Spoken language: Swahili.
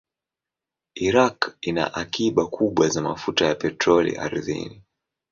Iraq ina akiba kubwa za mafuta ya petroli ardhini.